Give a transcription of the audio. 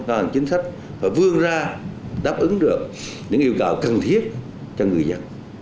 ngân hàng chính sách phải vươn ra đáp ứng được những yêu cầu cần thiết cho người dân